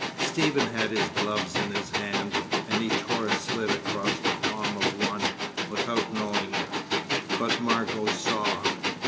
Stephen had his gloves in his hand, and he tore a slit across the palm of one, without knowing it. But Margot saw.